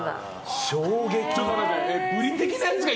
ブリ的なやつが。